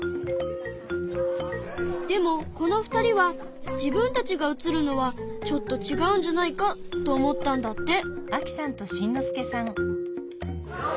でもこの２人は自分たちが写るのはちょっとちがうんじゃないかと思ったんだって。